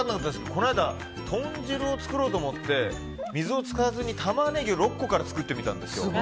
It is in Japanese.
この間豚汁を作ろうと思って水を使わずにタマネギ６個から作ったんです。